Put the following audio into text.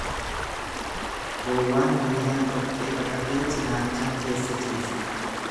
Gowwaan miilaan dhoqqee baqatee cinaachaan keessa ciisa.